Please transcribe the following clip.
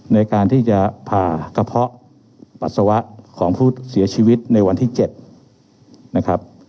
ในการที่จะผ่ากระเพาะปัสสาวะของผู้เสียชีวิตในวันที่๗นะครับ